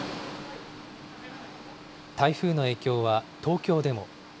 台風の影響は、東京でも。